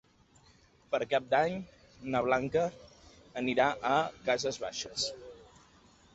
Per Cap d'Any na Blanca anirà a Cases Baixes.